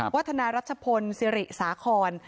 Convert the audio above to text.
ว่านายรัชพนธุ์เซริสาคอน